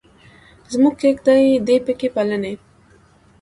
زموږ کیږدۍ دې پکې پلنې.